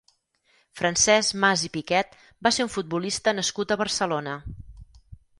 Francesc Mas i Piquet va ser un futbolista nascut a Barcelona.